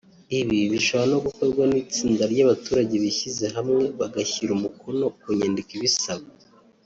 Ibi bishobora no gukorwa n’itsinda ry’abaturage bishyize hamwe bagashyira umukono ku nyandiko ibisaba